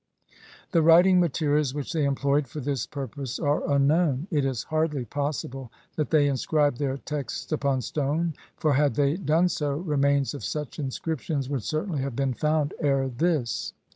The XLVI INTRODUCTION. writing materials which they employed for this pur pose are unknown. It is hardly possible that they in scribed their texts upon stone, for had they done so remains of such inscriptions would certainly have been found ere this.